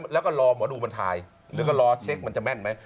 แล้วก็รอหมอดูมันถ่ายแล้วก็รอเช็คมันจะแม่นไหม